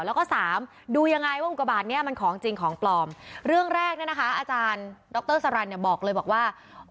แล้วก็สามดูยังไงว่าอุกบาทเนี้ยมันของจริงของปลอมเรื่องแรกเนี่ยนะคะอาจารย์ดรสรรเนี่ยบอกเลยบอกว่า